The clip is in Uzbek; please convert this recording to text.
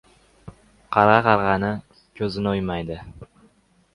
• Qarg‘a qarg‘aning ko‘zini o‘ymaydi.